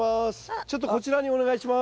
ちょっとこちらにお願いします。